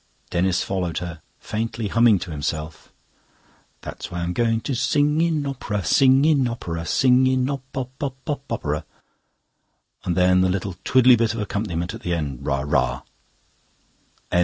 Denis followed her, faintly humming to himself: "That's why I'm going to Sing in op'ra, sing in op'ra, Sing in op pop pop pop pop popera." And then the little twiddly bit of accompaniment at the end: "ra ra."